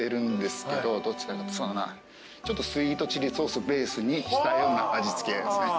ちょっとスイートチリソースをベースにしたような味付けですね。